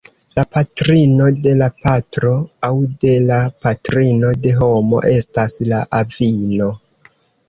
La patrino de la patro aŭ de la patrino de homo estas la avino.